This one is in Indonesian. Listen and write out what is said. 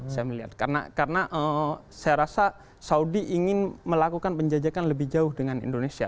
saya melihat karena saya rasa saudi ingin melakukan penjajakan lebih jauh dengan indonesia